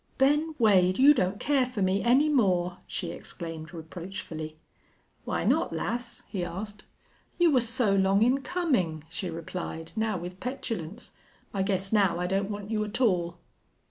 "Ben Wade, you don't care for me any more!" she exclaimed, reproachfully. "Why not, lass?" he asked. "You were so long in coming," she replied, now with petulance. "I guess now I don't want you at all."